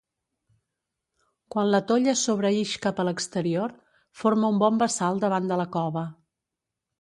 Quan la tolla sobreïx cap a l'exterior, forma un bon bassal davant de la cova.